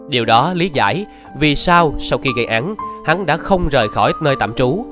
điều đó lý giải vì sao sau khi gây án hắn đã không rời khỏi nơi tạm trú